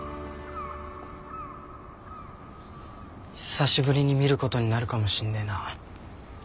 久しぶりに見ることになるかもしんねえな。